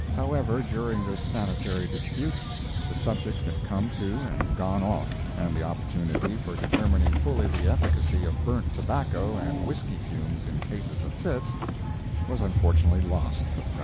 However, during this sanitary dispute, the subject had come to and gone off; and the opportunity for determining fully the efficacy of burnt tobacco and whisky fumes in cases of fits, was unfortunately lost for the present.